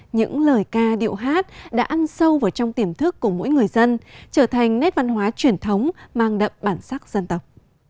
những lời ca điệu hát đã ăn sâu vào trong tiềm thức của mỗi người dân trở thành nét văn hóa truyền thống mang đậm bản sắc dân tộc